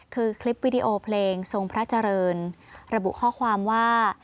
คือคลิปวิดีโอเพลงทรงพระเจริญระบุข้อความว่า